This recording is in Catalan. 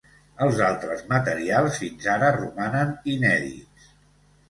Els altres materials fins ara romanen inèdits.